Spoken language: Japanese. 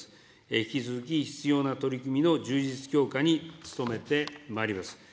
引き続き必要な取り組みの充実強化に努めてまいります。